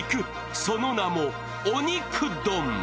その名も鬼く丼。